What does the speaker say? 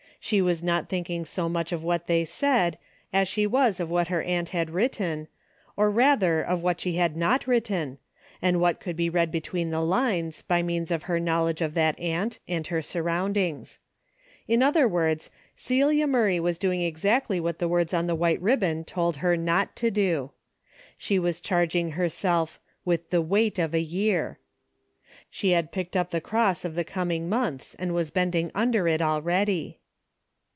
She was not thinking so much of what they said, as she was of what her aunt had written, or rather of what she had not written, and what could be read between the lines, by means of her knowledge of that aunt and her surroundings. In other words Celia Murray was doing exactly what the words on the white ribbon told her not to do. She was charging herself " with the weight of a year." She had picked up the cross of the coming months and was bending under it already.